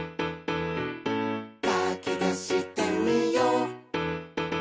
「かきたしてみよう」